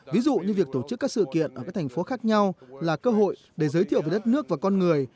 ví dụ như việc tổ chức các sự kiện ở các thành phố khác nhau là cơ hội để giới thiệu về đất nước và con người